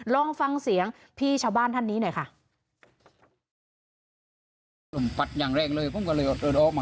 ลองฟังเสียงพี่ชาวบ้านท่านนี้หน่อยค่ะ